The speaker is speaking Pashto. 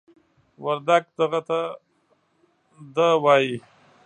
وردگ "دغه" ته "دَ" وايي.